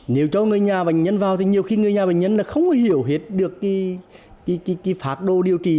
nếu cho người nhà bệnh nhân vào thì nhiều khi người nhà bệnh nhân không hiểu hết được phác đồ điều trị